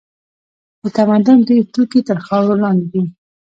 د تمدن ډېر توکي تر خاورو لاندې دي.